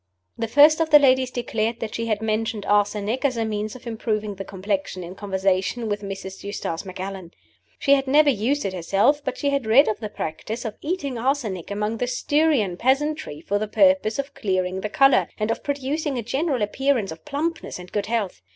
The first of the ladies declared that she had mentioned arsenic as a means of improving the complexion in conversation with Mrs. Eustace Macallan. She had never used it herself, but she had read of the practice of eating arsenic among the Styrian peasantry for the purpose of clearing the color, and of producing a general appearance of plumpness and good health.